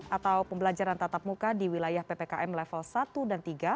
atau pembelajaran tatap muka di wilayah ppkm level satu dan tiga